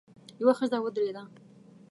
يوه ښځه ودرېده.